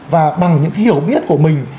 và bằng những hiểu biết của mình